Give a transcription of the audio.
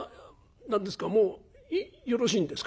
何ですかもうよろしいんですか？